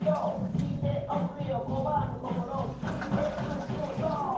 「きいておくれよコバアのこころ」「チ・エ・ブ・ク・ロ！」